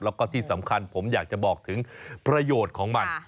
แล้วก็ที่สำคัญผมอยากจะบอกถึงประโยชน์ของมัน